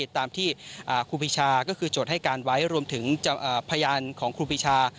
ตามที่ครูปีชาก็คือโจทย์ให้การไว้รวมถึงพยานของครูปีชา